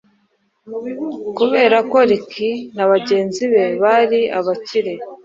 Kubera ko Ricky na bagenzi be bari abakire